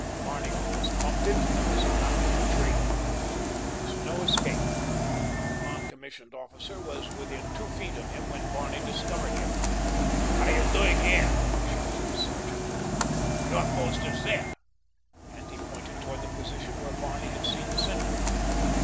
Barney almost bumped into them as he rounded the tree. There was no escape—the non commissioned officer was within two feet of him when Barney discovered him. "What are you doing here?" shouted the sergeant with an oath. "Your post is there," and he pointed toward the position where Barney had seen the sentry.